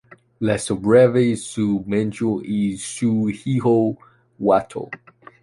Le sobrevivieron su mujer y su hijo Walter.